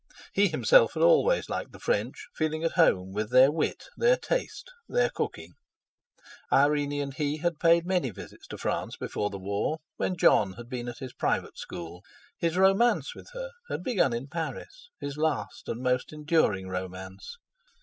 He himself had always liked the French, feeling at home with their wit, their taste, their cooking. Irene and he had paid many visits to France before the War, when Jon had been at his private school. His romance with her had begun in Paris—his last and most enduring romance.